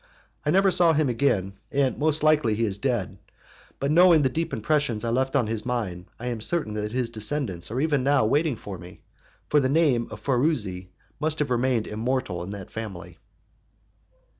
I never saw him again, and most likely he is dead, but knowing the deep impression I left on his mind I am certain that his descendants are even now waiting for me, for the name of Farusi must have remained immortal in that family.